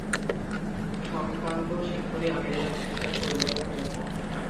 সম্ভ্রান্ত সিংহলী-আমেরিকান খ্রিস্টান পরিবারে তার জন্ম।